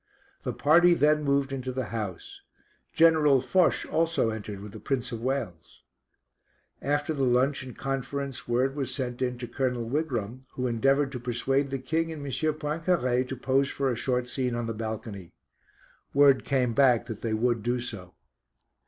The party then moved into the house. General Foch also entered with the Prince of Wales. After the lunch and conference, word was sent in to Colonel Wigram who endeavoured to persuade the King and M. Poincaré to pose for a short scene on the balcony. Word came back that they would do so.